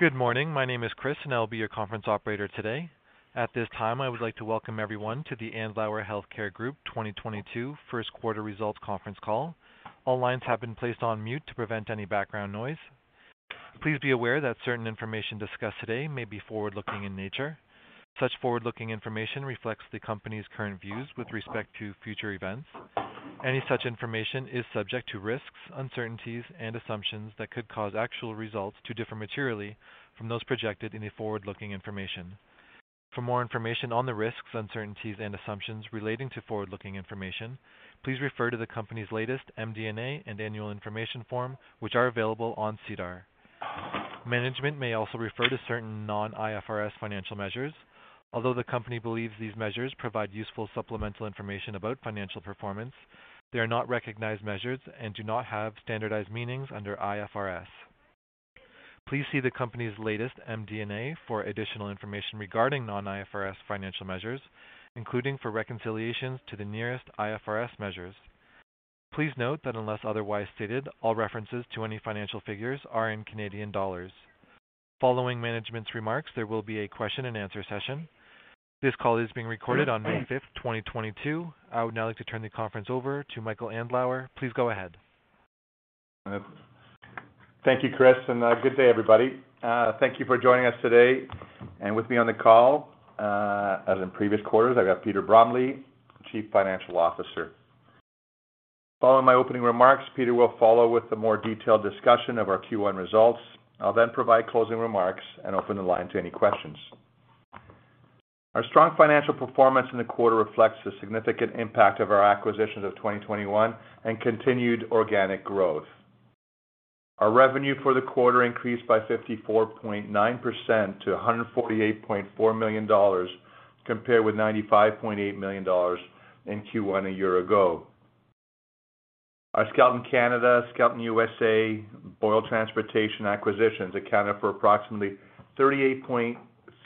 Good morning. My name is Chris, and I'll be your conference operator today. At this time, I would like to welcome everyone to the Andlauer Healthcare Group 2022 Q1 results conference call. All lines have been placed on mute to prevent any background noise. Please be aware that certain information discussed today may be forward-looking in nature. Such forward-looking information reflects the company's current views with respect to future events. Any such information is subject to risks, uncertainties, and assumptions that could cause actual results to differ materially from those projected in the forward-looking information. For more information on the risks, uncertainties, and assumptions relating to forward-looking information, please refer to the company's latest MD&A and Annual Information Form, which are available on SEDAR. Management may also refer to certain non-IFRS financial measures. Although the company believes these measures provide useful supplemental information about financial performance, they are not recognized measures and do not have standardized meanings under IFRS. Please see the company's latest MD&A for additional information regarding non-IFRS financial measures, including for reconciliations to the nearest IFRS measures. Please note that unless otherwise stated, all references to any financial figures are in Canadian dollars. Following management's remarks, there will be a question-and-answer session. This call is being recorded on May fifth, 2022. I would now like to turn the conference over to Michael Andlauer. Please go ahead. Thank you, Chris, and good day, everybody. Thank you for joining us today. With me on the call, as in previous quarters, I've got Peter Bromley, Chief Financial Officer. Following my opening remarks, Peter will follow with a more detailed discussion of our Q1 results. I'll then provide closing remarks and open the line to any questions. Our strong financial performance in the quarter reflects the significant impact of our acquisitions of 2021 and continued organic growth. Our revenue for the quarter increased by 54.9% to 148.4 million dollars, compared with 95.8 million dollars in Q1 a year ago. Our Skelton Canada, Skelton USA, Boyle Transportation acquisitions accounted for approximately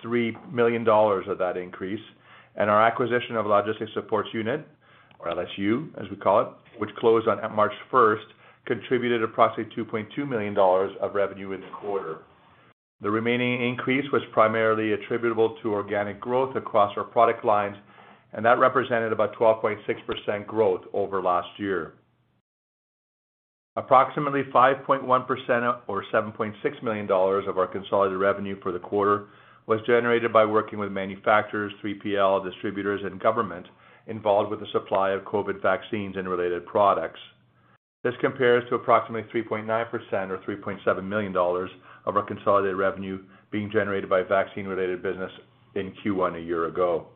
38.3 million dollars of that increase, and our acquisition of Logistics Support Unit, or LSU, as we call it, which closed on March first, contributed approximately 2.2 million dollars of revenue in the quarter. The remaining increase was primarily attributable to organic growth across our product lines, and that represented about 12.6% growth over last year. Approximately 5.1% or 7.6 million dollars of our consolidated revenue for the quarter was generated by working with manufacturers, 3PL distributors and government involved with the supply of COVID vaccines and related products. This compares to approximately 3.9% or 3.7 million dollars of our consolidated revenue being generated by vaccine-related business in Q1 a year ago.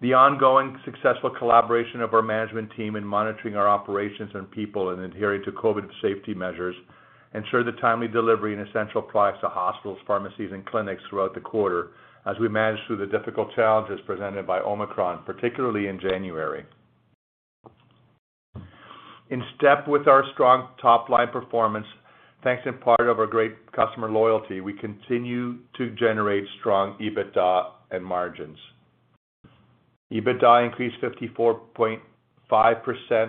The ongoing successful collaboration of our management team in monitoring our operations and people and adhering to COVID safety measures ensure the timely delivery of essential products to hospitals, pharmacies and clinics throughout the quarter as we manage through the difficult challenges presented by Omicron, particularly in January. In step with our strong top-line performance, thanks in part to our great customer loyalty, we continue to generate strong EBITDA and margins. EBITDA increased 54.5%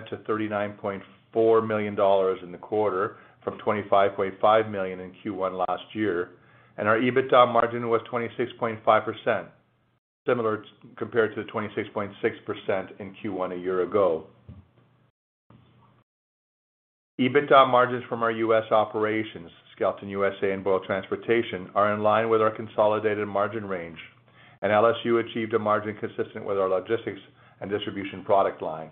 to 39.4 million dollars in the quarter from 25.5 million in Q1 last year, and our EBITDA margin was 26.5%, similar compared to the 26.6% in Q1 a year ago. EBITDA margins from our U.S. operations, Skelton USA and Boyle Transportation, are in line with our consolidated margin range, and LSU achieved a margin consistent with our logistics and distribution product line.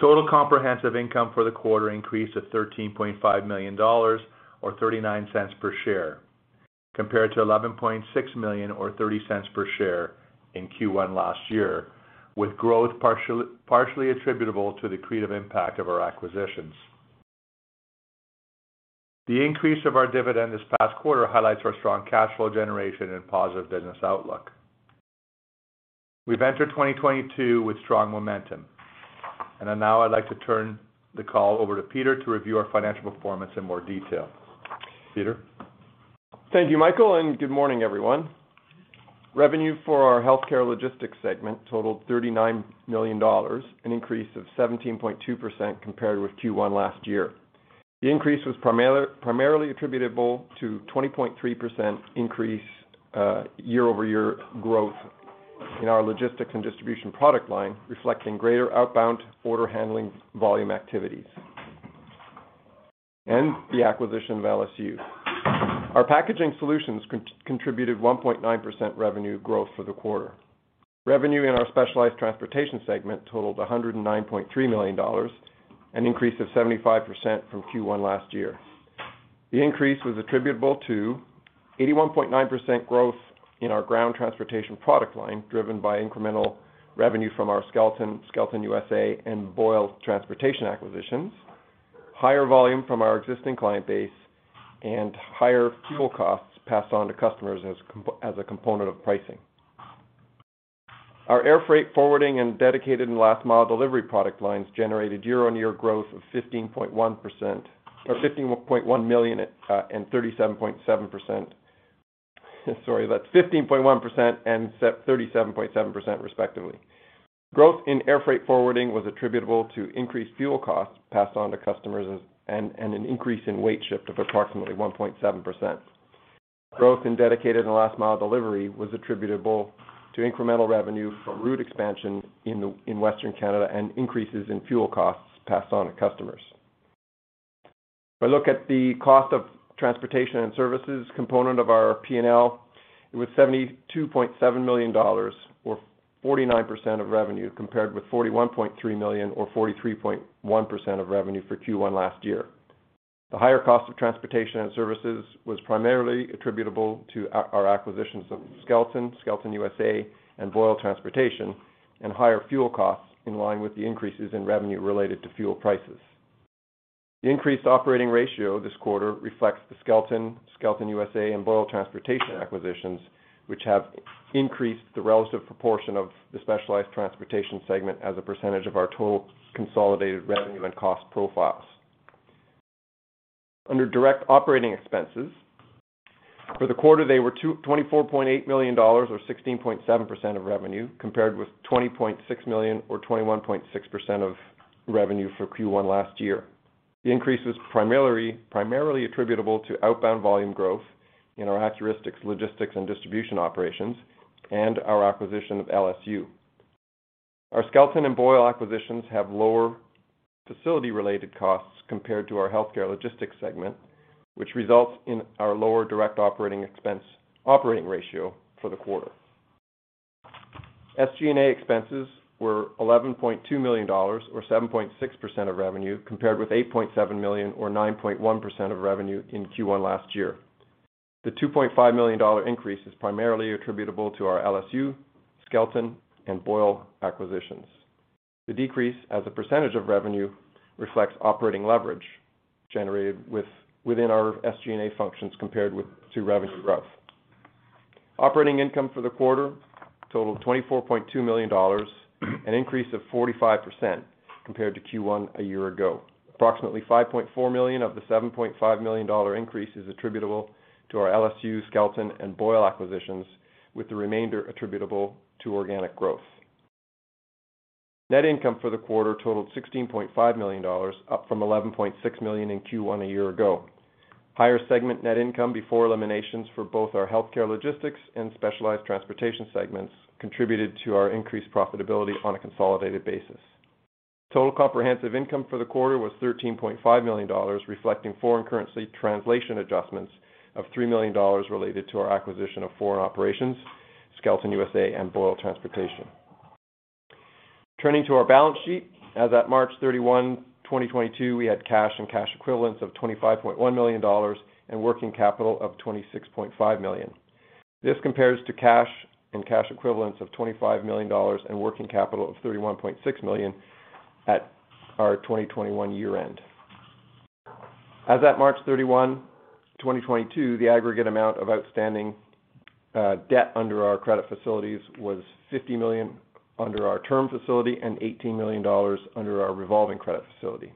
Total comprehensive income for the quarter increased to 13.5 million dollars or 0.39 per share, compared to 11.6 million or 0.30 per share in Q1 last year, with growth partially attributable to accretive impact of our acquisitions. The increase of our dividend this past quarter highlights our strong cash flow generation and positive business outlook. We've entered 2022 with strong momentum. Now I'd like to turn the call over to Peter to review our financial performance in more detail. Peter. Thank you, Michael, and good morning, everyone. Revenue for our healthcare logistics segment totaled 39 million dollars, an increase of 17.2% compared with Q1 last year. The increase was primarily attributable to 20.3% increase, year-over-year growth in our logistics and distribution product line, reflecting greater outbound order handling volume activities, and the acquisition of LSU. Our packaging solutions contributed 1.9% revenue growth for the quarter. Revenue in our specialized transportation segment totaled 109.3 million dollars, an increase of 75% from Q1 last year. The increase was attributable to 81.9% growth in our ground transportation product line, driven by incremental revenue from our Skelton USA and Boyle Transportation acquisitions, higher volume from our existing client base, and higher fuel costs passed on to customers as a component of pricing. Our air freight forwarding and dedicated and last mile delivery product lines generated year-on-year growth of 15.1% or 15.1 million and 37.7%. Sorry, that's 15.1% and 37.7% respectively. Growth in air freight forwarding was attributable to increased fuel costs passed on to customers and an increase in weight shift of approximately 1.7%. Growth in dedicated and last mile delivery was attributable to incremental revenue from route expansion in Western Canada and increases in fuel costs passed on to customers. If I look at the cost of transportation and services component of our P&L, it was 72.7 million dollars or 49% of revenue compared with 41.3 million or 43.1% of revenue for Q1 last year. The higher cost of transportation and services was primarily attributable to our acquisitions of Skelton USA, and Boyle Transportation, and higher fuel costs in line with the increases in revenue related to fuel prices. The increased operating ratio this quarter reflects the Skelton USA, and Boyle Transportation acquisitions, which have increased the relative proportion of the specialized transportation segment as a percentage of our total consolidated revenue and cost profiles. Under direct operating expenses, for the quarter they were 24.8 million dollars or 16.7% of revenue, compared with 20.6 million or 21.6% of revenue for Q1 last year. The increase was primarily attributable to outbound volume growth in our ATS Healthcare, logistics, and distribution operations, and our acquisition of LSU. Our Skelton and Boyle acquisitions have lower facility-related costs compared to our healthcare logistics segment, which results in our lower direct operating expense operating ratio for the quarter. SG&A expenses were 11.2 million dollars or 7.6% of revenue, compared with 8.7 million or 9.1% of revenue in Q1 last year. The 2.5 million dollar increase is primarily attributable to our LSU, Skelton, and Boyle acquisitions. The decrease as a percentage of revenue reflects operating leverage generated within our SG&A functions compared with revenue growth. Operating income for the quarter totaled 24.2 million dollars, an increase of 45% compared to Q1 a year ago. Approximately 5.4 million of the 7.5 million dollar increase is attributable to our LSU, Skelton, and Boyle acquisitions, with the remainder attributable to organic growth. Net income for the quarter totaled 16.5 million dollars, up from 11.6 million in Q1 a year ago. Higher segment net income before eliminations for both our healthcare logistics and specialized transportation segments contributed to our increased profitability on a consolidated basis. Total comprehensive income for the quarter was 13.5 million dollars, reflecting foreign currency translation adjustments of 3 million dollars related to our acquisition of foreign operations, Skelton USA and Boyle Transportation. Turning to our balance sheet. As at March 31, 2022, we had cash and cash equivalents of 25.1 million dollars and working capital of 26.5 million. This compares to cash and cash equivalents of 25 million dollars and working capital of 31.6 million at our 2021 year-end. As at March 31, 2022, the aggregate amount of outstanding debt under our credit facilities was 50 million under our term facility and 18 million dollars under our revolving credit facility.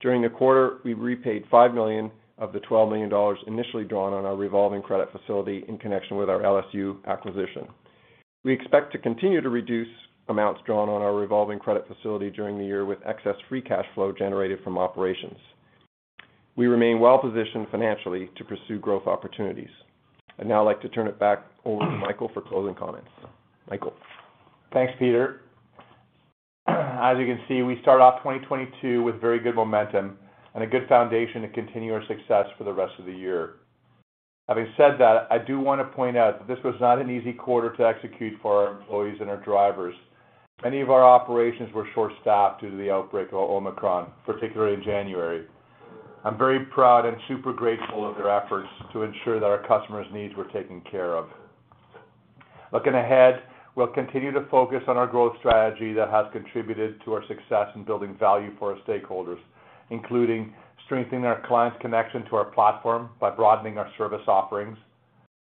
During the quarter, we repaid 5 million of the 12 million dollars initially drawn on our revolving credit facility in connection with our LSU acquisition. We expect to continue to reduce amounts drawn on our revolving credit facility during the year with excess free cash flow generated from operations. We remain well-positioned financially to pursue growth opportunities. I'd now like to turn it back over to Michael for closing comments. Michael. Thanks, Peter. As you can see, we start off 2022 with very good momentum and a good foundation to continue our success for the rest of the year. Having said that, I do want to point out that this was not an easy quarter to execute for our employees and our drivers. Many of our operations were short-staffed due to the outbreak of Omicron, particularly in January. I'm very proud and super grateful of their efforts to ensure that our customers' needs were taken care of. Looking ahead, we'll continue to focus on our growth strategy that has contributed to our success in building value for our stakeholders, including strengthening our clients' connection to our platform by broadening our service offerings.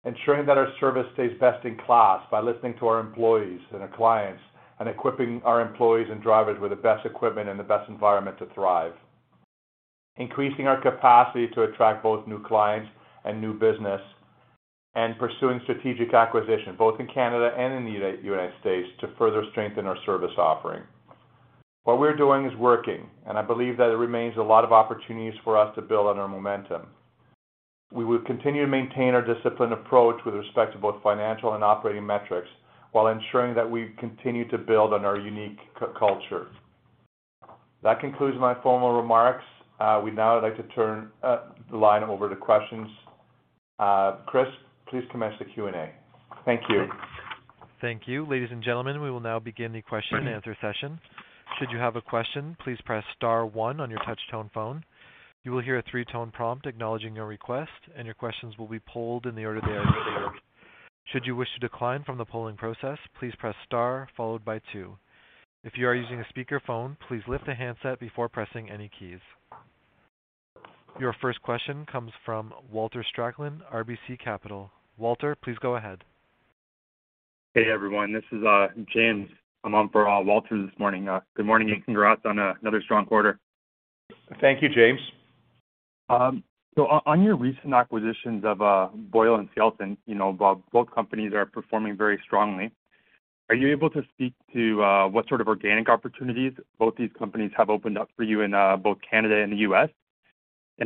Ensuring that our service stays best in class by listening to our employees and our clients, and equipping our employees and drivers with the best equipment and the best environment to thrive. Increasing our capacity to attract both new clients and new business, and pursuing strategic acquisition both in Canada and in the United States to further strengthen our service offering. What we're doing is working, and I believe that there remain a lot of opportunities for us to build on our momentum. We will continue to maintain our disciplined approach with respect to both financial and operating metrics while ensuring that we continue to build on our unique culture. That concludes my formal remarks. We'd now like to turn the line over to questions. Chris, please commence the Q&A. Thank you. Thank you. Ladies and gentlemen, we will now begin the question and answer session. Should you have a question, please press star one on your touch-tone phone. You will hear a three-tone prompt acknowledging your request, and your questions will be polled in the order they are received. Should you wish to decline from the polling process, please press star followed by two. If you are using a speakerphone, please lift the handset before pressing any keys. Your first question comes from Walter Spracklin, RBC Capital Markets. Walter, please go ahead. Hey everyone, this is James. I'm on for Walter this morning. Good morning and congrats on another strong quarter. Thank you, James. On your recent acquisitions of Boyle and Skelton, you know, both companies are performing very strongly. Are you able to speak to what sort of organic opportunities both these companies have opened up for you in both Canada and the U.S.?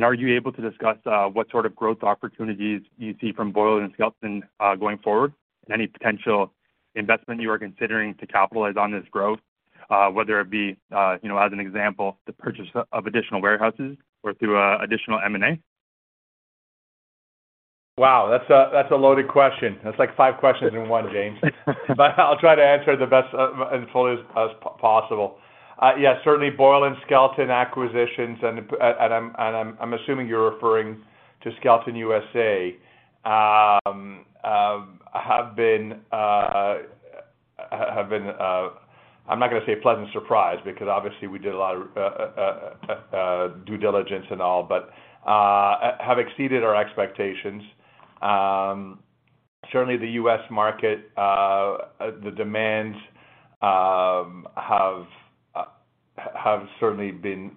Are you able to discuss what sort of growth opportunities you see from Boyle and Skelton going forward, and any potential investment you are considering to capitalize on this growth, whether it be, you know, as an example, the purchase of additional warehouses or through additional M&A? Wow, that's a loaded question. That's like five questions in one, James. I'll try to answer as fully as possible. Yes, certainly Boyle and Skelton acquisitions, and I'm assuming you're referring to Skelton USA, have been. I'm not gonna say a pleasant surprise because obviously we did a lot of due diligence and all, but have exceeded our expectations. Certainly the U.S. market, the demands have certainly been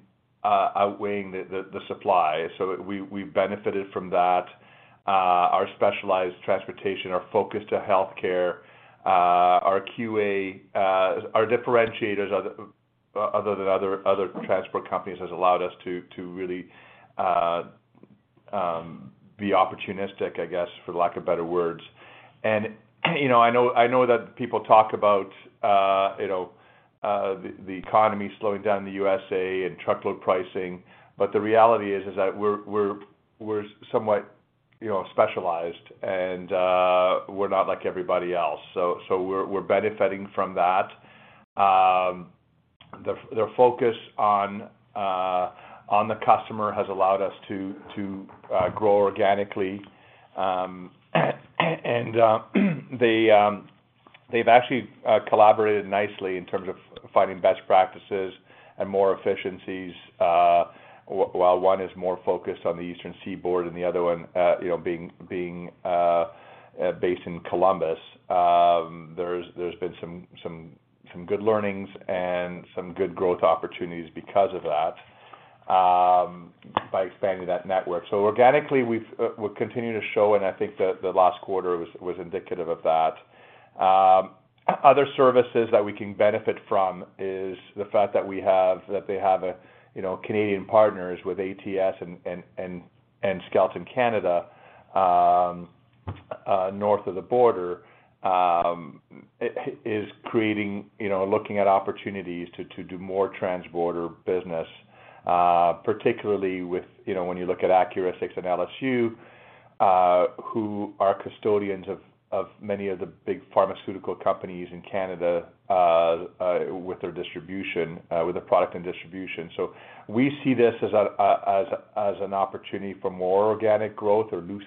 outweighing the supply. We benefited from that. Our specialized transportation, our focus to healthcare, our QA, our differentiators other than other transport companies has allowed us to really be opportunistic, I guess, for lack of better words. You know, I know that people talk about you know the economy slowing down in the USA and truckload pricing. The reality is that we're somewhat you know specialized and we're not like everybody else. We're benefiting from that. The focus on the customer has allowed us to grow organically. They've actually collaborated nicely in terms of finding best practices and more efficiencies while one is more focused on the eastern seaboard and the other one you know being based in Columbus. There's been some good learnings and some good growth opportunities because of that by expanding that network. Organically, we're continuing to show, and I think the last quarter was indicative of that. Other services that we can benefit from is the fact that they have, you know, Canadian partners with ATS and Skelton Canada north of the border, it is creating, you know, looking at opportunities to do more transborder business, particularly with, you know, when you look at Accuristix and LSU, who are custodians of many of the big pharmaceutical companies in Canada, with their distribution, with the product and distribution. We see this as an opportunity for more organic growth or new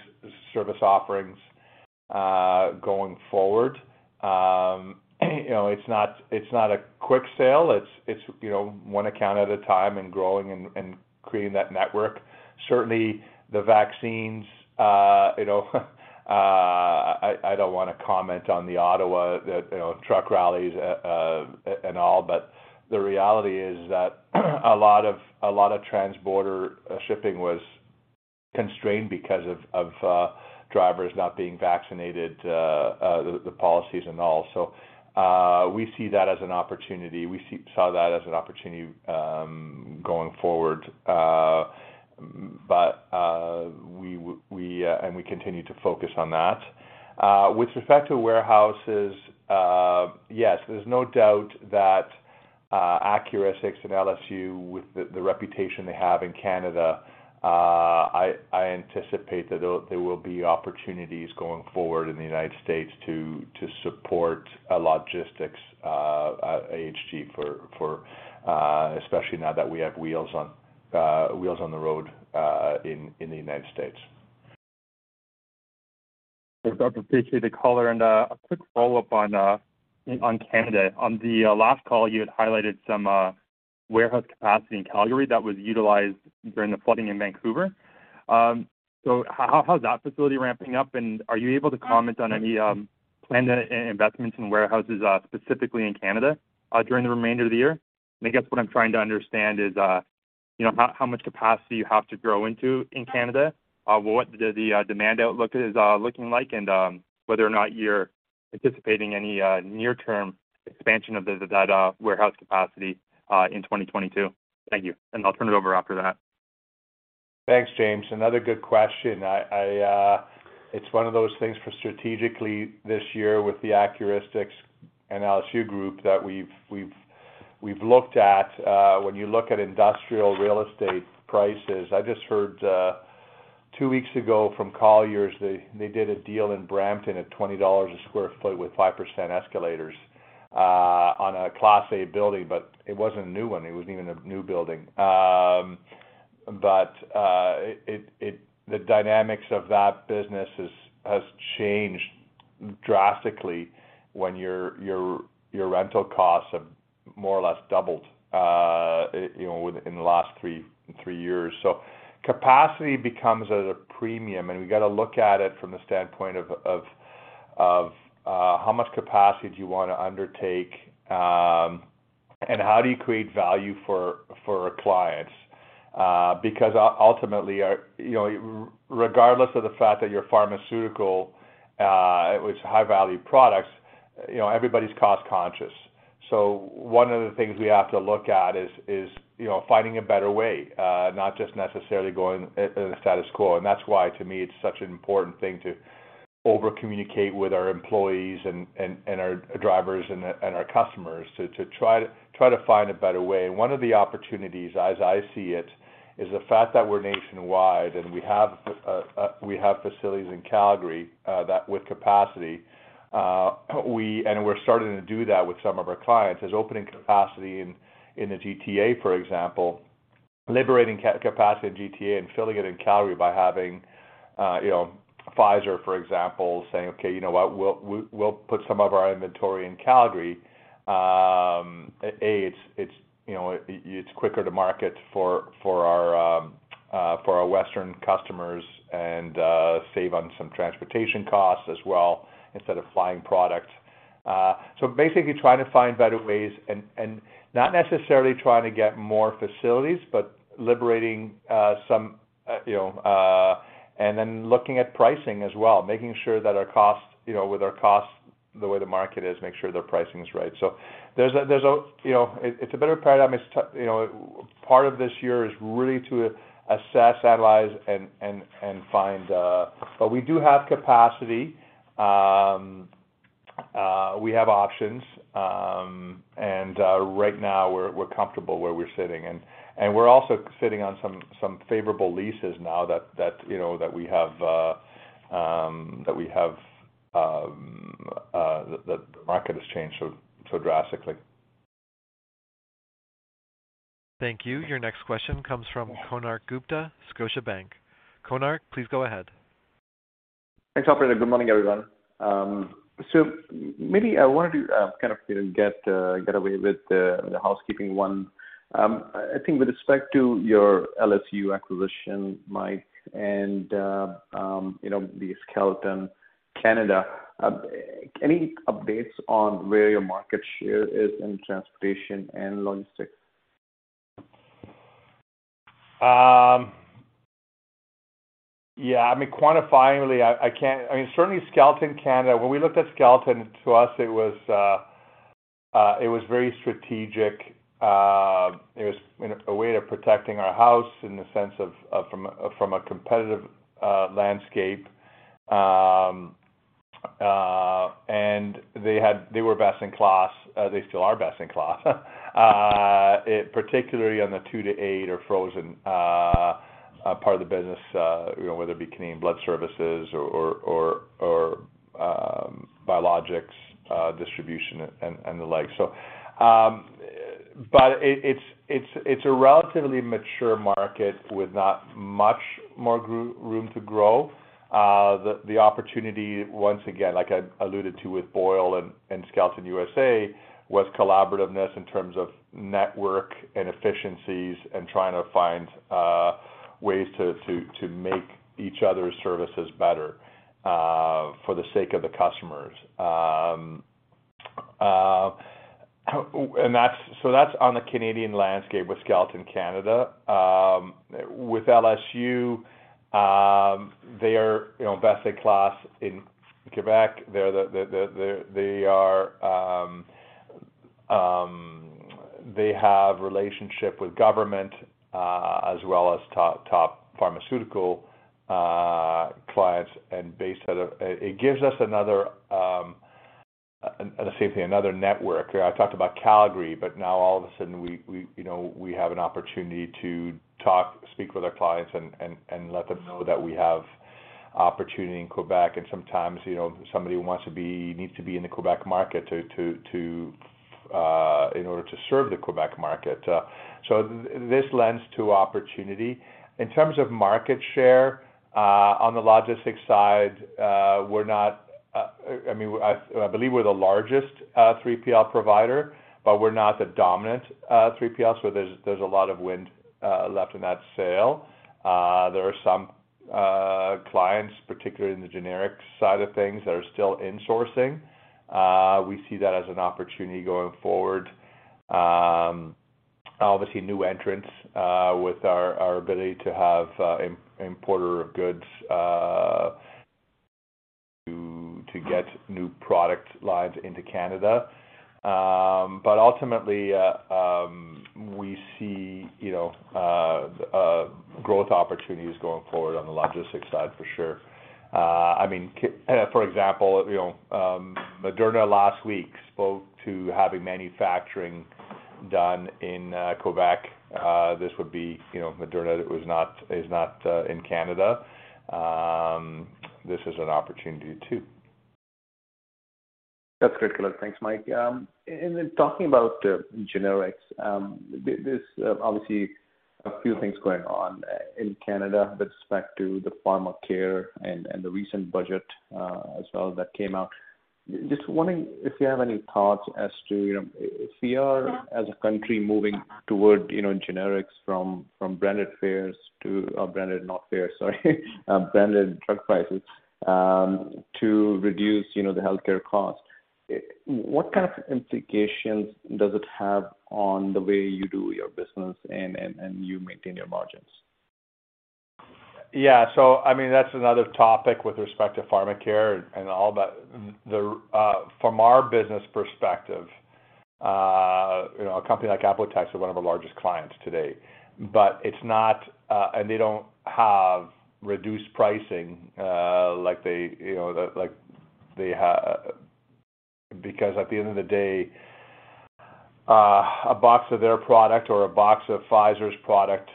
service offerings, going forward. You know, it's not a quick sale. It's you know one account at a time and growing and creating that network. Certainly the vaccines you know I don't wanna comment on the Ottawa you know truck rallies and all but the reality is that a lot of transborder shipping was constrained because of drivers not being vaccinated the policies and all. We see that as an opportunity. We saw that as an opportunity going forward. We continue to focus on that. With respect to warehouses, yes, there's no doubt that Accuristix and LSU, with the reputation they have in Canada, I anticipate that there will be opportunities going forward in the United States to support logistics AHG for especially now that we have wheels on the road in the United States. Appreciate the color and a quick follow-up on Canada. On the last call, you had highlighted some warehouse capacity in Calgary that was utilized during the flooding in Vancouver. So how's that facility ramping up, and are you able to comment on any planned investments in warehouses specifically in Canada during the remainder of the year? I guess what I'm trying to understand is, you know, how much capacity you have to grow into in Canada, what the demand outlook is looking like, and whether or not you're anticipating any near-term expansion of the data warehouse capacity in 2022. Thank you. I'll turn it over after that. Thanks, James. Another good question. It's one of those things for strategically this year with the Accuristix and LSU group that we've looked at when you look at industrial real estate prices. I just heard two weeks ago from Colliers they did a deal in Brampton at 20 dollars a sq ft with 5% escalators on a class A building, but it wasn't a new one. It wasn't even a new building. The dynamics of that business has changed drastically when your rental costs have more or less doubled, you know, within the last three years. Capacity becomes at a premium. We got to look at it from the standpoint of how much capacity do you want to undertake, and how do you create value for our clients? Because ultimately, you know, regardless of the fact that you're pharmaceutical with high-value products, you know, everybody's cost conscious. One of the things we have to look at is you know, finding a better way, not just necessarily going the status quo. That's why to me it's such an important thing to over-communicate with our employees and our drivers and our customers to try to find a better way. One of the opportunities, as I see it, is the fact that we're nationwide and we have facilities in Calgary that have capacity, and we're starting to do that with some of our clients, is opening capacity in the GTA, for example, liberating capacity in GTA and filling it in Calgary by having, you know, Pfizer, for example, saying, "Okay, you know what? We'll put some of our inventory in Calgary." It's, you know, it's quicker to market for our western customers and save on some transportation costs as well instead of flying product. Basically trying to find better ways and not necessarily trying to get more facilities, but liberating some, you know. Looking at pricing as well, making sure that our costs, you know, with our costs, the way the market is, make sure their pricing is right. There's a, you know. You know, part of this year is really to assess, analyze, and find. But we do have capacity. We have options. And right now we're comfortable where we're sitting. We're also sitting on some favorable leases now that, you know, that we have, that we have, the market has changed so drastically. Thank you. Your next question comes from Konark Gupta, Scotiabank. Konark, please go ahead. Thanks, operator. Good morning, everyone. Maybe I wanted to kind of get away with the housekeeping one. I think with respect to your LSU acquisition, Mike, and you know, the Skelton Canada, any updates on where your market share is in transportation and logistics? Yeah, I mean, quantifiably, I can't. I mean, certainly Skelton Canada, when we looked at Skelton, to us, it was very strategic. It was in a way of protecting our house in the sense of from a competitive landscape. They were best in class. They still are best in class. Particularly on the two-eight or frozen part of the business, you know, whether it be Canadian Blood Services or Biologics distribution and the like. But it's a relatively mature market with not much more room to grow. The opportunity once again, like I alluded to with Boyle and Skelton USA, was collaborativeness in terms of network and efficiencies and trying to find ways to make each other's services better for the sake of the customers. That's on the Canadian landscape with Skelton Canada. With LSU, they are you know best in class in Quebec. They have relationship with government as well as top pharmaceutical clients and bases. It gives us the same thing, another network. I talked about Calgary, but now all of a sudden we you know have an opportunity to speak with our clients and let them know that we have opportunity in Quebec. Sometimes, you know, somebody wants to be, needs to be in the Quebec market to in order to serve the Quebec market. This lends to opportunity. In terms of market share, on the logistics side, we're not, I mean, I believe we're the largest 3PL provider, but we're not the dominant 3PL. There's a lot of wind left in that sail. There are some clients, particularly in the generic side of things, that are still insourcing. We see that as an opportunity going forward. Obviously new entrants with our ability to have importer of goods to get new product lines into Canada. Ultimately, we see, you know, growth opportunities going forward on the logistics side for sure. I mean, for example, you know, Moderna last week spoke to having manufacturing done in Québec. This would be, you know, Moderna was not, is not, in Canada. This is an opportunity too. That's great, Connor. Thanks, Mike. Talking about generics, few things going on in Canada with respect to the Pharmacare and the recent budget as well that came out. Just wondering if you have any thoughts as to you know if we are as a country moving toward you know generics from branded drug prices to reduce you know the healthcare costs. What kind of implications does it have on the way you do your business and you maintain your margins? Yeah. I mean, that's another topic with respect to Pharmacare and all that. From our business perspective, you know, a company like Apotex are one of our largest clients today. It's not, and they don't have reduced pricing like they, you know. At the end of the day, a box of their product or a box of Pfizer's product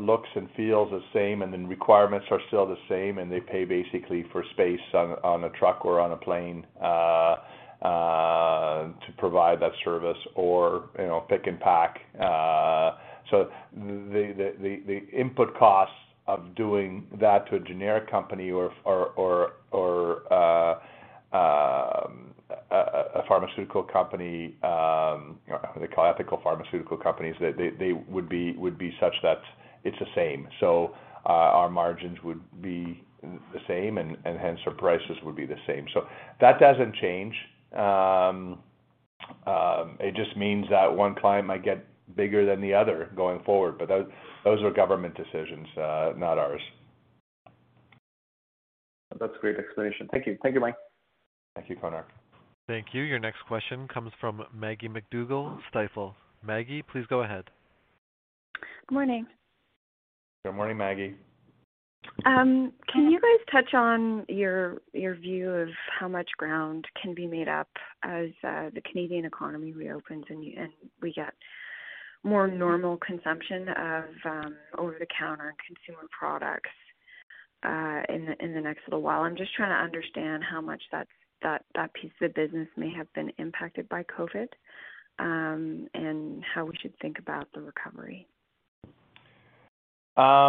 looks and feels the same, and the requirements are still the same, and they pay basically for space on a truck or on a plane to provide that service or, you know, pick and pack. The input costs of doing that to a generic company or for a pharmaceutical company, the ethical pharmaceutical companies, they would be such that it's the same. Our margins would be the same and hence our prices would be the same. That doesn't change. It just means that one client might get bigger than the other going forward, but those are government decisions, not ours. That's a great explanation. Thank you. Thank you, Mike. Thank you, Konark. Thank you. Your next question comes from Maggie MacDougall, Stifel. Maggie, please go ahead. Good morning. Good morning, Maggie. Can you guys touch on your view of how much ground can be made up as the Canadian economy reopens and we get more normal consumption of over-the-counter consumer products in the next little while? I'm just trying to understand how much that piece of business may have been impacted by COVID and how we should think about the recovery. I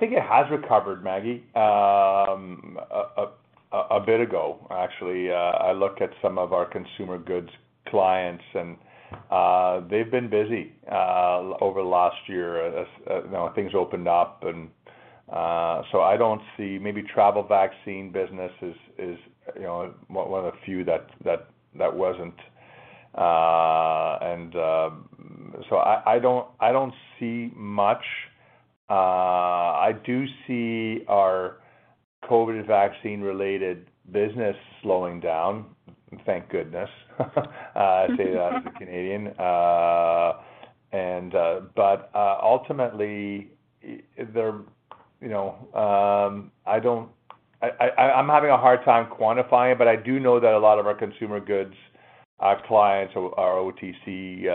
think it has recovered, Maggie, a bit ago, actually. I look at some of our consumer goods clients and, they've been busy over the last year as, you know, things opened up and I don't see. Maybe travel vaccine business is, you know, one of the few that wasn't. I don't see much. I do see our COVID vaccine-related business slowing down, thank goodness. I say that as a Canadian. Ultimately, you know, I'm having a hard time quantifying, but I do know that a lot of our consumer goods, our clients or our OTC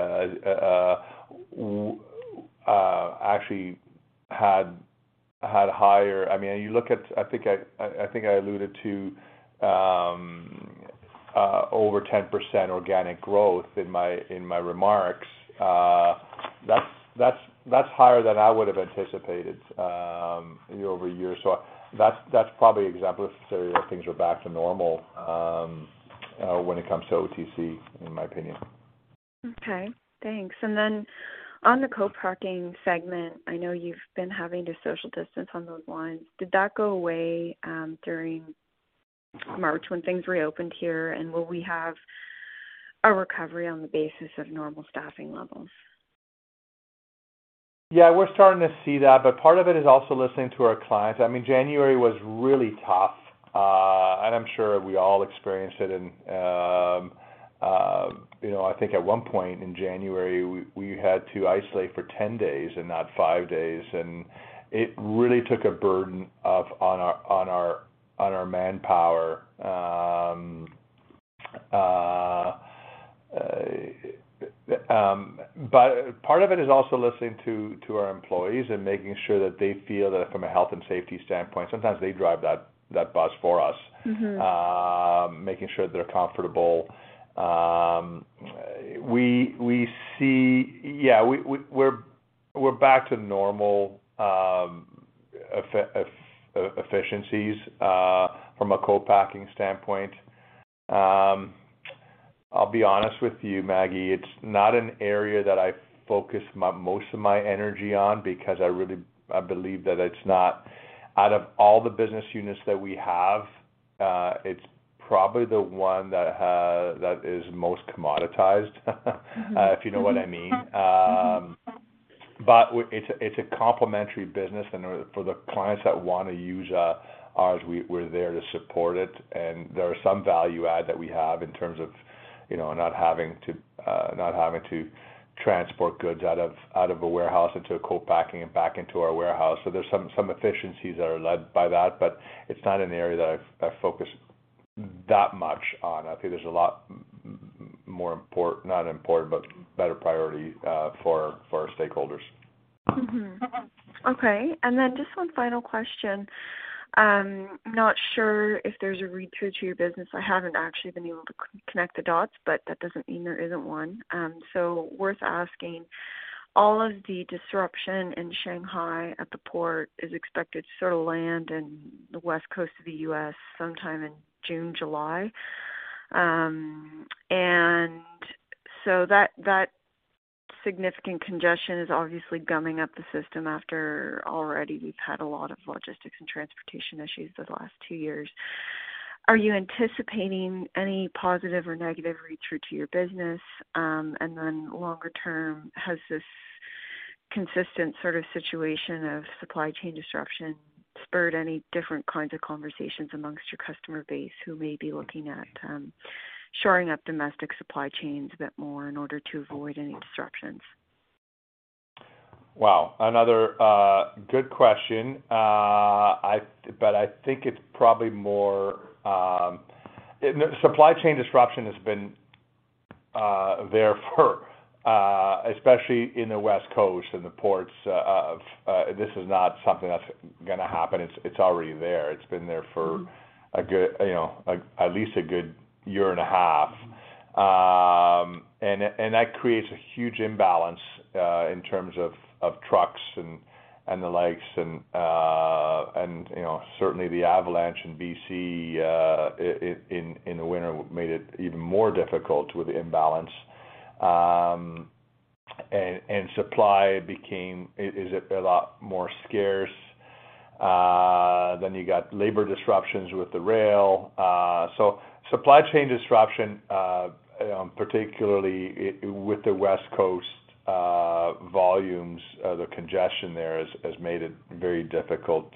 actually had higher. I mean, you look at I think I alluded to over 10% organic growth in my remarks. That's higher than I would have anticipated year-over-year. That's probably exemplary of things are back to normal when it comes to OTC, in my opinion. Okay. Thanks. On the co-packing segment, I know you've been having to social distance on those lines. Did that go away during March when things reopened here? Will we have a recovery on the basis of normal staffing levels? Yeah, we're starting to see that, but part of it is also listening to our clients. I mean, January was really tough, and I'm sure we all experienced it. You know, I think at one point in January, we had to isolate for 10 days and not 5 days, and it really took a burden on our manpower. Part of it is also listening to our employees and making sure that they feel that from a health and safety standpoint, sometimes they drive that bus for us. Mm-hmm. Making sure they're comfortable. We see. Yeah, we're back to normal efficiencies from a co-packing standpoint. I'll be honest with you, Maggie. It's not an area that I focus most of my energy on because I really believe that it's not. Out of all the business units that we have, it's probably the one that is most commoditized. Mm-hmm. If you know what I mean. Mm-hmm. It's a complementary business. For the clients that wanna use ours, we're there to support it. There are some value add that we have in terms of, you know, not having to transport goods out of a warehouse into a co-packing and back into our warehouse. There's some efficiencies that are led by that, but it's not an area that I focus that much on. I think there's a lot more, not important, but better priority for our stakeholders. Okay. Just one final question. Not sure if there's a read-through to your business. I haven't actually been able to connect the dots, but that doesn't mean there isn't one. So worth asking. All of the disruption in Shanghai at the port is expected to sort of land in the West Coast of the US sometime in June, July. That significant congestion is obviously gumming up the system after already we've had a lot of logistics and transportation issues those last two years. Are you anticipating any positive or negative read-through to your business? Longer term, has this consistent sort of situation of supply chain disruption spurred any different kinds of conversations amongst your customer base who may be looking at shoring up domestic supply chains a bit more in order to avoid any disruptions? Wow. Another good question. I think it's probably more supply chain disruption has been there, especially in the West Coast and the ports. This is not something that's gonna happen. It's already there. It's been there for Mm-hmm. a good year and a half. That creates a huge imbalance in terms of trucks and the likes. You know, certainly the avalanche in BC in the winter made it even more difficult with the imbalance. Supply became a lot more scarce. You got labor disruptions with the rail. Supply chain disruption, particularly with the West Coast volumes, the congestion there has made it very difficult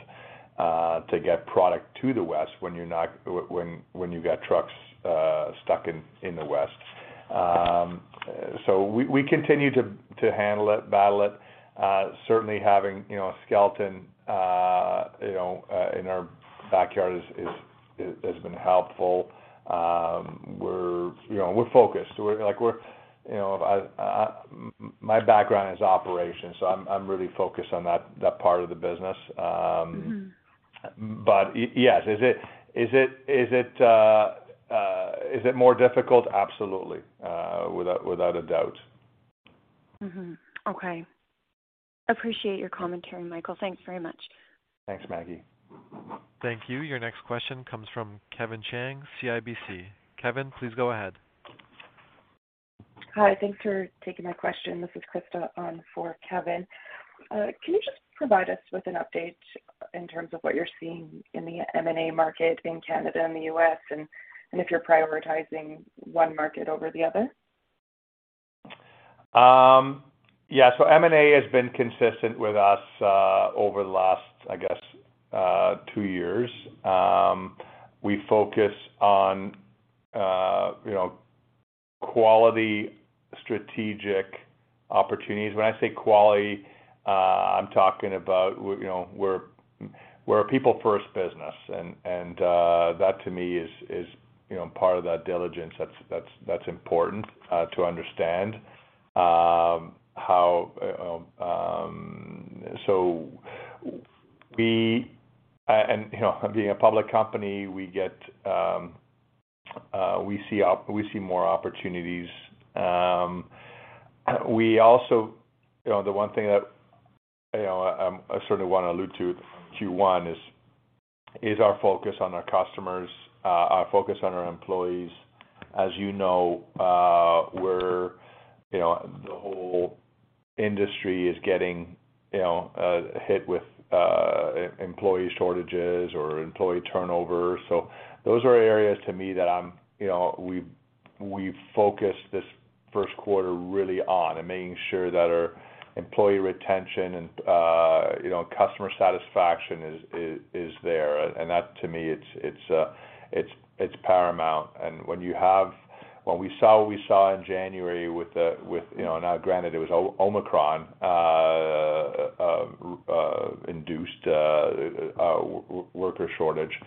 to get product to the West when you got trucks stuck in the West. We continue to handle it, battle it. Certainly having a Skelton in our backyard has been helpful. We're focused, you know. Like we're, you know. My background is operations, so I'm really focused on that part of the business. Mm-hmm. Yes. Is it more difficult? Absolutely. Without a doubt. Okay. Appreciate your commentary, Michael. Thanks very much. Thanks, Maggie. Thank you. Your next question comes from Kevin Chiang, CIBC. Kevin, please go ahead. Hi. Thanks for taking my question. This is Krista on for Kevin. Can you just provide us with an update in terms of what you're seeing in the M&A market in Canada and the U.S., and if you're prioritizing one market over the other? Yeah. M&A has been consistent with us over the last, I guess, two years. We focus on, you know, quality strategic opportunities. When I say quality, I'm talking about you know, we're a people-first business, and that to me is, you know, part of that diligence that's important to understand how. You know, being a public company, we get we see more opportunities. We also. You know, the one thing that, you know, I sort of wanna allude to with Q1 is our focus on our customers, our focus on our employees. As you know, we're, you know, the whole industry is getting, you know, hit with employee shortages or employee turnover. Those are areas to me that I'm, you know, we've focused this Q1 really on and making sure that our employee retention and customer satisfaction is there. That, to me, it's paramount. When we saw what we saw in January with the, you know, now granted it was Omicron induced worker shortage,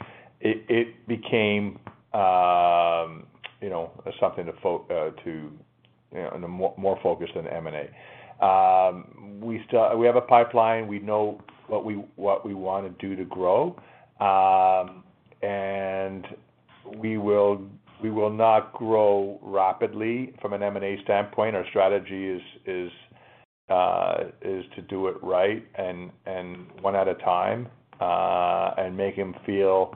it became something to, you know, and a more focused than M&A. We have a pipeline. We know what we wanna do to grow. We will not grow rapidly from an M&A standpoint. Our strategy is to do it right, and one at a time, and make them feel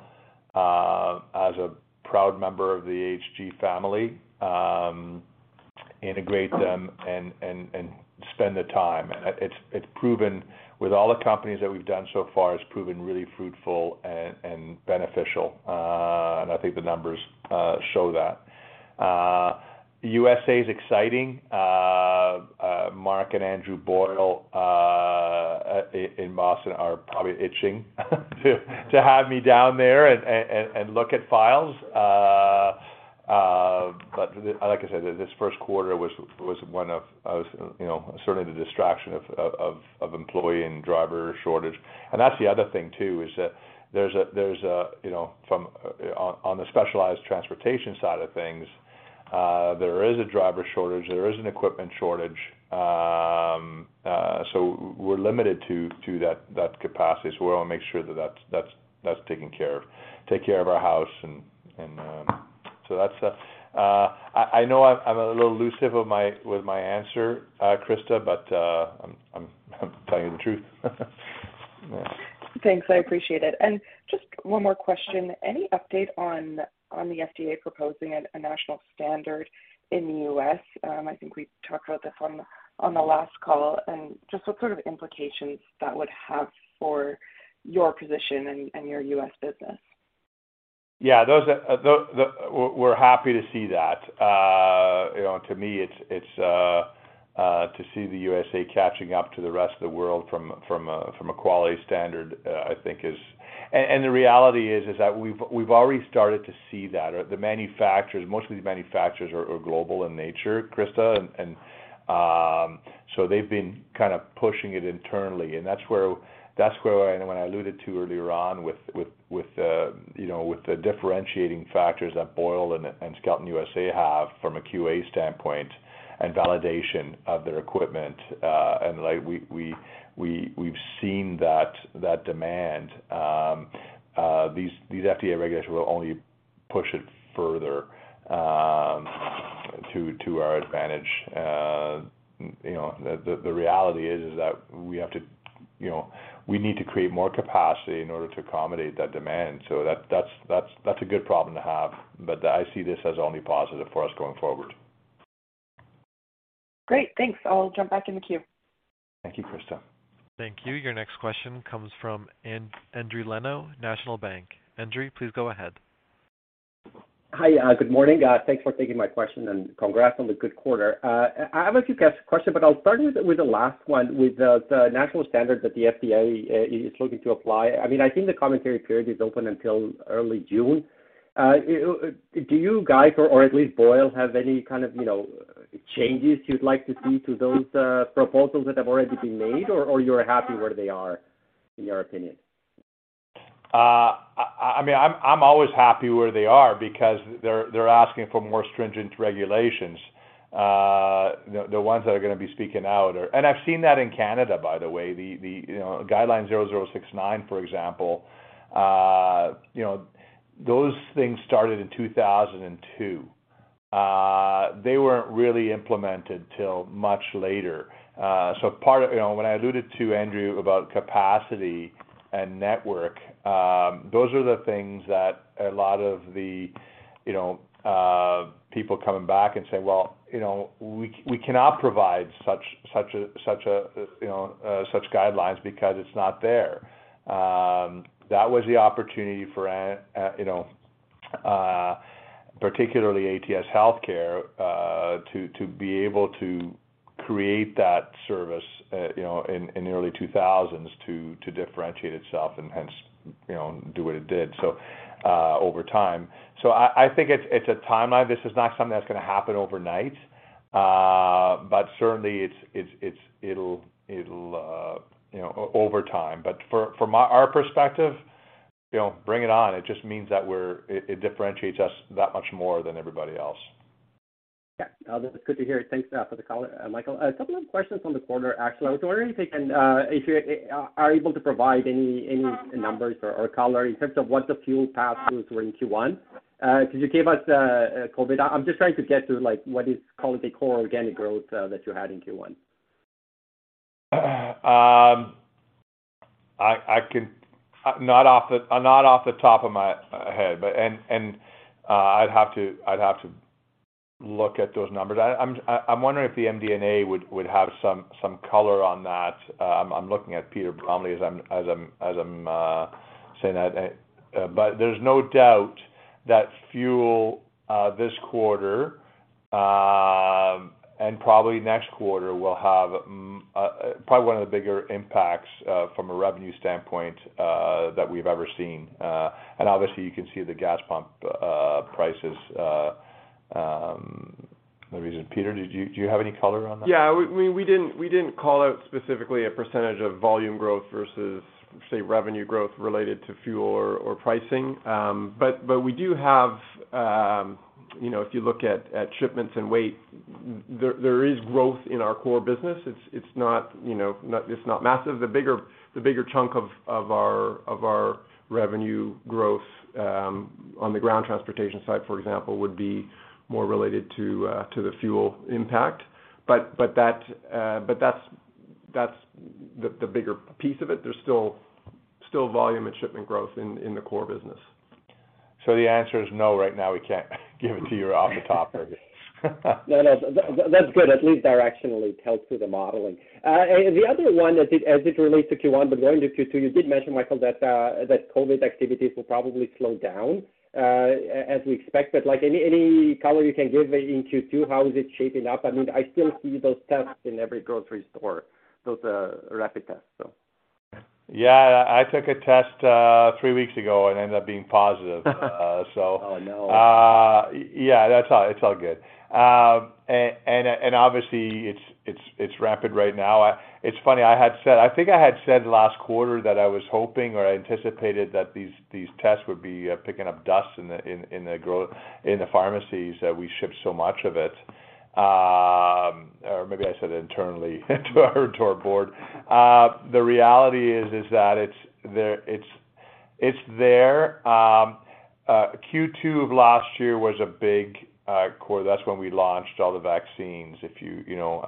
as a proud member of the AHG family, integrate them and spend the time. It’s proven with all the companies that we've done so far, it's proven really fruitful and beneficial. I think the numbers show that. USA is exciting. Mark and Andrew Boyle in Boston are probably itching to have me down there and look at files. Like I said, this Q1 was one of, you know, certainly the distraction of employee and driver shortage. That's the other thing too, is that there's a you know, on the specialized transportation side of things, there is a driver shortage, there is an equipment shortage. We're limited to that capacity. We wanna make sure that that's taken care of. Take care of our house and so that's that. I know I'm a little evasive with my answer, Krista, but I'm telling you the truth. Thanks, I appreciate it. Just one more question. Any update on the FDA proposing a national standard in the U.S.? I think we talked about this on the last call. Just what sort of implications that would have for your position and your U.S. business? Yeah. We're happy to see that. You know, to me, it's to see the USA catching up to the rest of the world from a quality standard I think is. The reality is that we've already started to see that. Or the manufacturers, most of these manufacturers are global in nature, Krista. So they've been kind of pushing it internally, and that's where I alluded to earlier on with the differentiating factors that Boyle and Skelton USA have from a QA standpoint and validation of their equipment. Like we've seen that demand. These FDA regulations will only push it further to our advantage. You know, the reality is that we have to, you know, we need to create more capacity in order to accommodate that demand. That's a good problem to have. I see this as only positive for us going forward. Great. Thanks. I'll jump back in the queue. Thank you, Krista. Thank you. Your next question comes from Andrew Leno, National Bank. Andrew, please go ahead. Hi. Good morning. Thanks for taking my question, and congrats on the good quarter. I have a few questions, but I'll start with the last one, with the national standard that the FDA is looking to apply. I mean, I think the commentary period is open until early June. Do you guys or at least Boyle have any kind of, you know, changes you'd like to see to those proposals that have already been made, or you're happy where they are, in your opinion? I mean, I'm always happy where they are because they're asking for more stringent regulations. You know, the GUI-0069, for example, you know, those things started in 2002. They weren't really implemented till much later. You know, when I alluded to Andrew about capacity and network, those are the things that a lot of the, you know, people coming back and say, "Well, you know, we cannot provide such guidelines because it's not there." That was the opportunity for, you know, particularly ATS Healthcare, to be able to create that service, you know, in the early two thousands to differentiate itself and hence, you know, do what it did, so over time. I think it's a timeline. This is not something that's gonna happen overnight. Certainly, it'll, you know, over time. From our perspective, you know, bring it on. It just means that it differentiates us that much more than everybody else. Yeah. That is good to hear. Thanks for the color, Michael. A couple of questions on the quarter, actually. I was wondering if you can, if you are able to provide any numbers or color in terms of what the fuel pass throughs were in Q1. Could you give us. I'm just trying to get to, like, what is, call it the core organic growth that you had in Q1. Not off the top of my head. I'd have to look at those numbers. I'm wondering if the MD&A would have some color on that. I'm looking at Peter Bromley as I'm saying that. There's no doubt that fuel this quarter and probably next quarter will have probably one of the bigger impacts from a revenue standpoint that we've ever seen. Obviously, you can see the gas pump prices the reason. Peter, do you have any color on that? Yeah. We didn't call out specifically a percentage of volume growth versus, say, revenue growth related to fuel or pricing. We do have, you know, if you look at shipments and weight, there is growth in our core business. It's not, you know, massive. The bigger chunk of our revenue growth on the ground transportation side, for example, would be more related to the fuel impact. That's the bigger piece of it. There's still volume and shipment growth in the core business. The answer is no right now. We can't give it to you off the top of our heads. No, no. That's good. At least directionally helps with the modeling. The other one as it relates to Q1 but going to Q2, you did mention, Michael, that COVID activities will probably slow down as we expect. Like any color you can give in Q2, how is it shaping up? I mean, I still see those tests in every grocery store, those rapid tests, so. Yeah. I took a test three weeks ago and ended up being positive. Oh, no. Yeah, that's all. It's all good. Obviously, it's rapid right now. It's funny, I had said. I think I had said last quarter that I was hoping or I anticipated that these tests would be picking up dust in the pharmacies, that we ship so much of it. Maybe I said internally to our board. The reality is that it's there. Q2 of last year was a big quarter. That's when we launched all the vaccines, you know,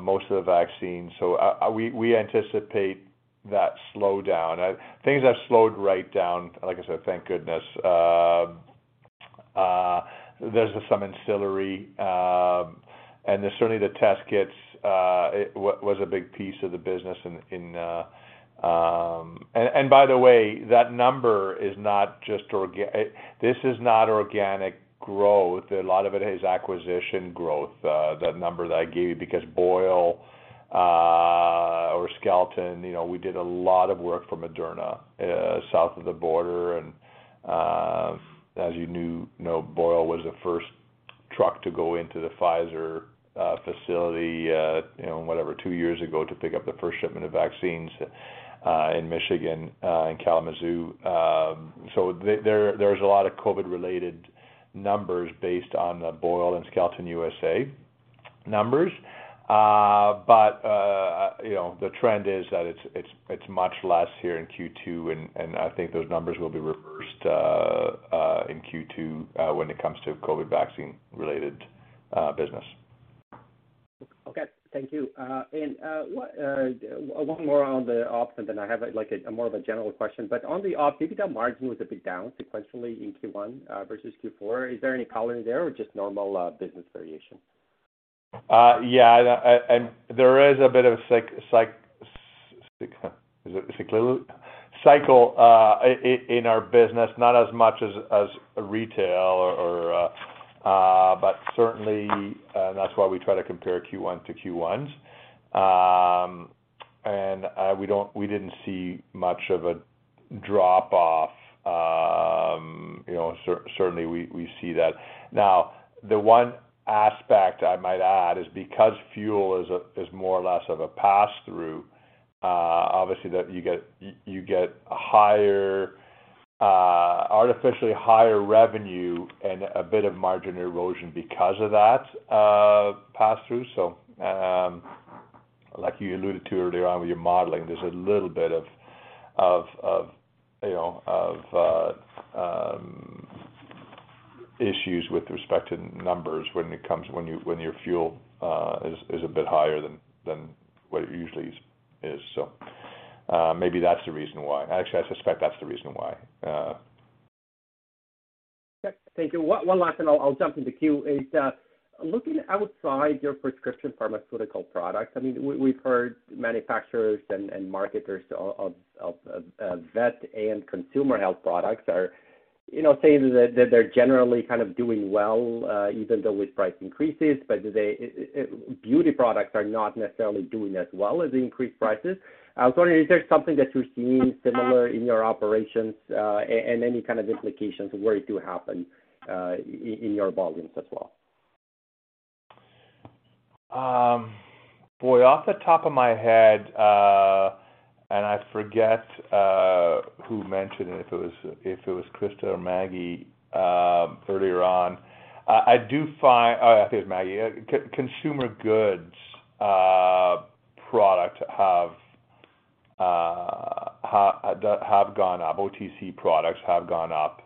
most of the vaccines. We anticipate that slowdown. Things have slowed right down, like I said, thank goodness. There's some ancillary and certainly the test kits. It was a big piece of the business in. By the way, that number is not just organic growth. A lot of it is acquisition growth, that number that I gave you, because Boyle or Skelton, you know, we did a lot of work for Moderna south of the border. As you know, Boyle was the first truck to go into the Pfizer facility, you know, whatever, two years ago to pick up the first shipment of vaccines in Michigan in Kalamazoo. There's a lot of COVID-related numbers based on the Boyle and Skelton USA numbers. You know, the trend is that it's much less here in Q2, and I think those numbers will be reversed in Q2 when it comes to COVID vaccine-related business. Okay. Thank you. What one more on the ops, and then I have more of a general question. On the op, EBITDA margin was a bit down sequentially in Q1 versus Q4. Is there any color there or just normal business variation? Yeah, there is a bit of a cycle in our business, not as much as retail, but certainly that's why we try to compare Q1 to Q1s. We didn't see much of a drop off. You know, certainly we see that. Now, the one aspect I might add is because fuel is more or less of a pass-through, obviously that you get higher, artificially higher revenue and a bit of margin erosion because of that pass-through. Like you alluded to earlier on with your modeling, there's a little bit of, you know, of issues with respect to numbers when your fuel is a bit higher than what it usually is. Maybe that's the reason why. Actually, I suspect that's the reason why. Yeah. Thank you. One last, and I'll jump in the queue, is looking outside your prescription pharmaceutical products. I mean, we've heard manufacturers and marketers of vet and consumer health products are, you know, saying that they're generally kind of doing well, even though with price increases. Beauty products are not necessarily doing as well with increased prices. I was wondering, is there something that you're seeing similar in your operations, and any kind of implications where it does happen in your volumes as well? Boy, off the top of my head, and I forget who mentioned it, if it was Krista or Maggie earlier on. I think it was Maggie. Consumer goods products have gone up. OTC products have gone up.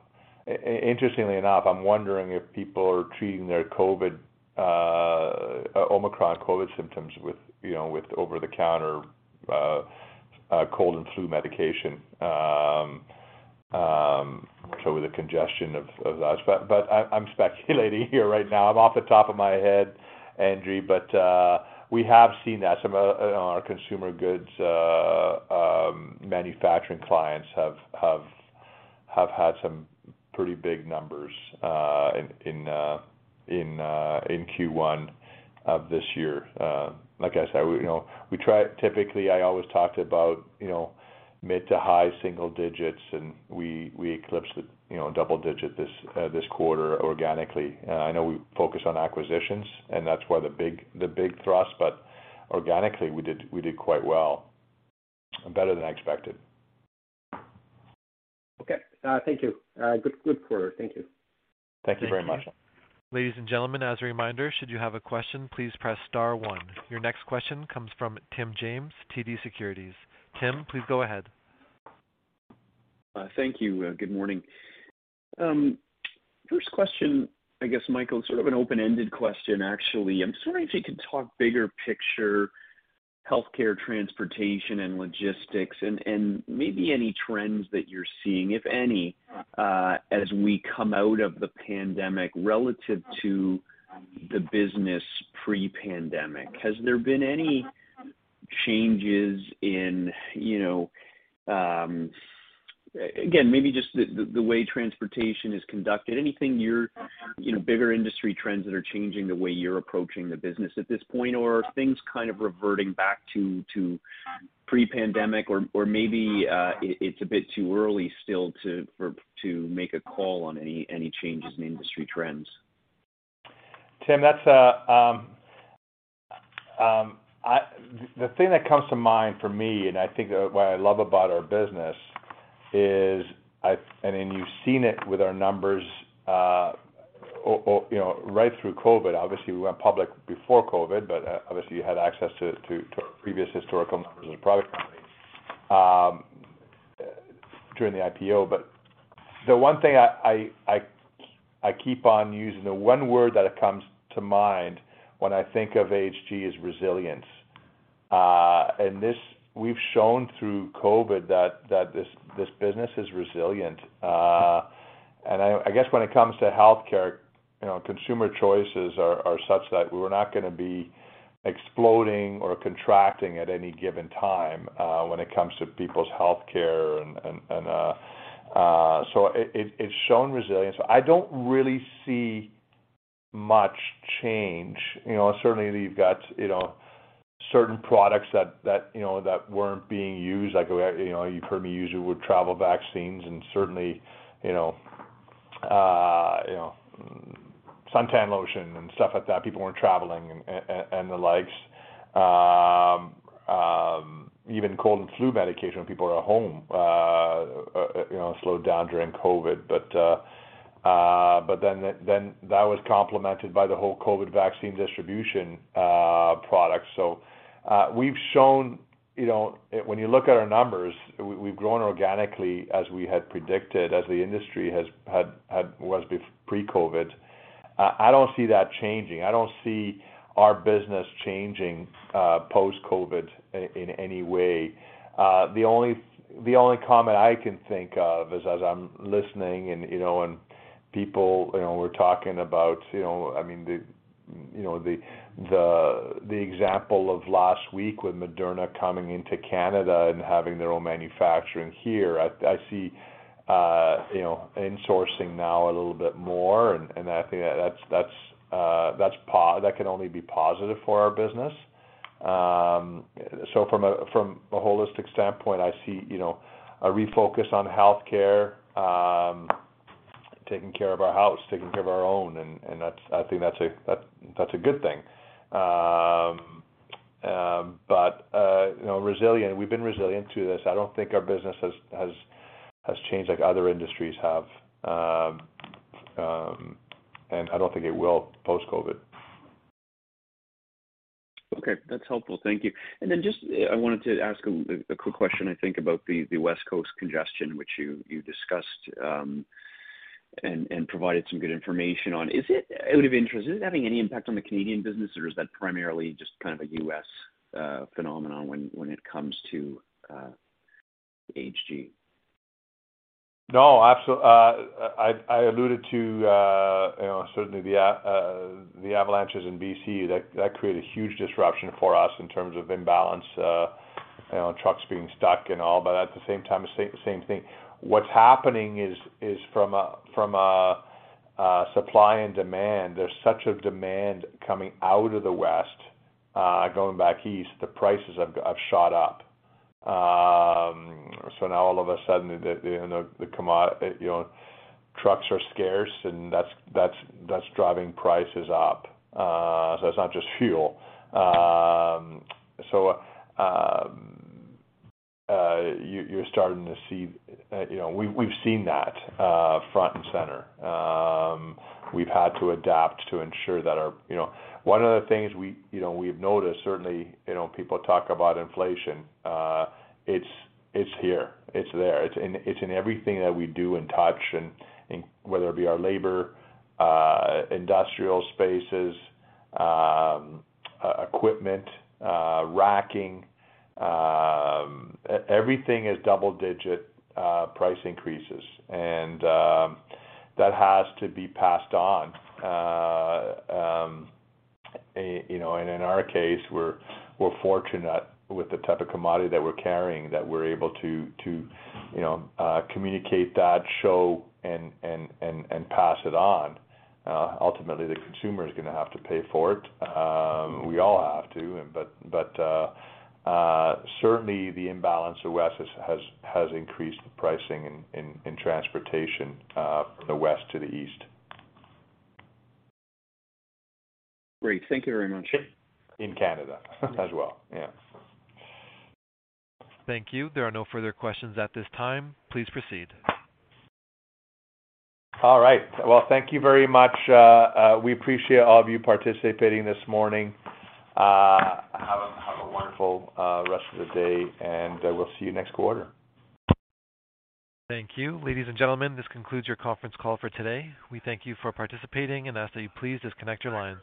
Interestingly enough, I'm wondering if people are treating their COVID Omicron COVID symptoms with, you know, with over-the-counter cold and flu medication. So the congestion of that. I'm speculating here right now. I'm off the top of my head, Andrew. We have seen that. Some of, you know, our consumer goods manufacturing clients have had some pretty big numbers in Q1 of this year. Like I said, typically I always talked about, you know, mid to high single digits, and we eclipsed it, you know, double digit this quarter organically. I know we focus on acquisitions, and that's where the big thrust. Organically, we did quite well, and better than I expected. Okay. Thank you. Good quarter. Thank you. Thank you very much. Ladies and gentlemen, as a reminder, should you have a question, please press star one. Your next question comes from Tim James, TD Securities. Tim, please go ahead. Thank you. Good morning. First question, I guess, Michael, sort of an open-ended question, actually. I'm just wondering if you could talk bigger picture healthcare, transportation, and logistics and maybe any trends that you're seeing, if any, as we come out of the pandemic relative to the business pre-pandemic. Has there been any changes in, you know, again, maybe just the way transportation is conducted, anything you're, you know, bigger industry trends that are changing the way you're approaching the business at this point, or are things kind of reverting back to pre-pandemic? Or maybe it's a bit too early still to make a call on any changes in industry trends. The thing that comes to mind for me, and I think what I love about our business is and then you've seen it with our numbers, you know, right through COVID. Obviously, we went public before COVID, but obviously you had access to our previous historical numbers as a private company during the IPO. The one thing I keep on using, the one word that comes to mind when I think of AHG is resilience. We've shown through COVID that this business is resilient. I guess when it comes to healthcare, you know, consumer choices are such that we're not gonna be exploding or contracting at any given time when it comes to people's healthcare and. It's shown resilience. I don't really see much change. You know, certainly you've got you know certain products that you know that weren't being used. Like you know you've heard me use it with travel vaccines and certainly you know suntan lotion and stuff like that. People weren't traveling and and the like. Even cold and flu medication when people are at home you know slowed down during COVID. But then that was complemented by the whole COVID vaccine distribution products. We've shown you know when you look at our numbers we've grown organically as we had predicted as the industry had been pre-COVID. I don't see that changing. I don't see our business changing post-COVID in any way. The only comment I can think of is, as I'm listening and, you know, and people, you know, were talking about, you know, I mean, the, you know, the example of last week with Moderna coming into Canada and having their own manufacturing here. I see, you know, insourcing now a little bit more, and I think that's that can only be positive for our business. From a holistic standpoint, I see, you know, a refocus on healthcare, taking care of our house, taking care of our own, and that's I think that's a good thing. You know, resilient. We've been resilient through this. I don't think our business has changed like other industries have. I don't think it will post-COVID. Okay, that's helpful. Thank you. Just I wanted to ask a quick question, I think, about the West Coast congestion which you discussed and provided some good information on. Out of interest, is it having any impact on the Canadian business, or is that primarily just kind of a U.S. phenomenon when it comes to AHG? No, I alluded to, you know, certainly the avalanches in BC, that created a huge disruption for us in terms of imbalance, you know, and trucks being stuck and all. At the same time, same thing. What's happening is from a supply and demand, there's such a demand coming out of the West, going back east, the prices have shot up. Now all of a sudden, the, you know, trucks are scarce, and that's driving prices up. It's not just fuel. You're starting to see, you know, we've seen that front and center. We've had to adapt to ensure that our... You know, one of the things we've noticed, certainly, you know, people talk about inflation, it's here, it's there. It's in everything that we do and touch and in whether it be our labor, industrial spaces, equipment, racking. Everything is double-digit price increases. That has to be passed on. You know, and in our case, we're fortunate with the type of commodity that we're carrying, that we're able to you know, communicate that, show, and pass it on. Ultimately, the consumer is gonna have to pay for it. We all have to. Certainly the imbalance out West has increased the pricing in transportation from the West to the East. Great. Thank you very much. In Canada as well. Yeah. Thank you. There are no further questions at this time. Please proceed. All right. Well, thank you very much. We appreciate all of you participating this morning. Have a wonderful rest of the day, and we'll see you next quarter. Thank you. Ladies and gentlemen, this concludes your conference call for today. We thank you for participating and ask that you please disconnect your lines.